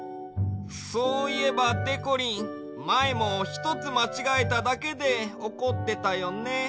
そういえばでこりんまえもひとつまちがえただけでおこってたよね。